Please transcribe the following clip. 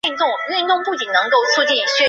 戈拉日代。